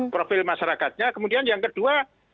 profil masyarakatnya kemudian yang kedua